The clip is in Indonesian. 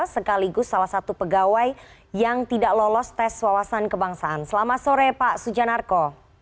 sekaligus salah satu pegawai yang tidak lolos tes wawasan kebangsaan selamat sore pak sujanarko